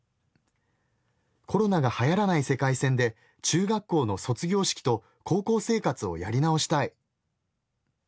「コロナが流行らない世界線で中学校の卒業式と高校生活をやり直したい！